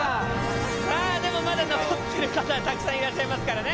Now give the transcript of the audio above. さあでもまだ残ってる方はたくさんいらっしゃいますからね。